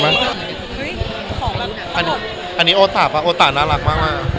อันนี้เราหาโอต่าเรื่อยกว่า